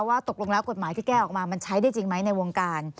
ว่าตกลงแล้วกฎหมายที่แก้ออกมามันใช้ได้จริงไหมในวงการ